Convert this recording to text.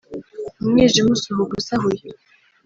umwijima usuhuka usahuye